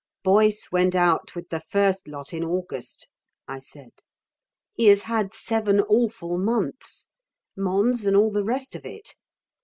"Boyce went out with the first lot in August," I said. "He has had seven awful months. Mons and all the rest of it.